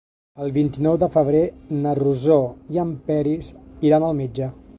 El vint-i-nou de febrer na Rosó i en Peris iran al metge.